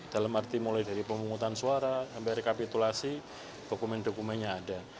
dalam arti mulai dari pemungutan suara sampai rekapitulasi dokumen dokumennya ada